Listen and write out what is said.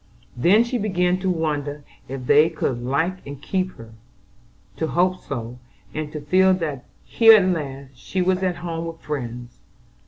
Then she began to wonder if they could like and keep her, to hope so, and to feel that here at last she was at home with friends.